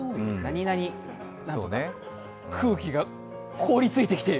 空気が凍りついてきている。